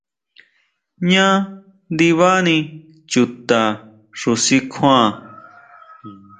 Jñá ndibani chuta xu si kjuan.